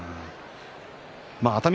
熱海